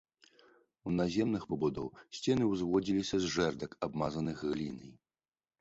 У наземных пабудоў сцяны ўзводзіліся з жэрдак, абмазаных глінай.